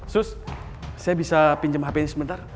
sus saya bisa pinjem hp ini sebentar